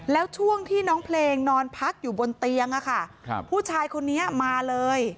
แล้วช่วงที่น้องเพลงนอนพักอยู่บนเตียงผู้ชายคนนี้มาเลย